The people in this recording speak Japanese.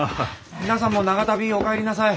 皆さんも長旅お帰りなさい。